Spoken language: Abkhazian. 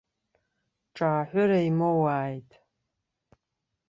Ҿааҳәыра имоуааит.